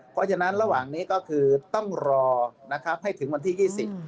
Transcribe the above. เพราะฉะนั้นระหว่างนี้ก็คือต้องรอให้ถึงวันที่๒๐